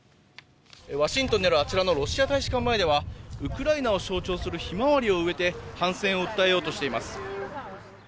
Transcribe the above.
「ワシントンにあるロシア大使館前ではウクライナを象徴するヒマワリを植えて反戦を訴えています」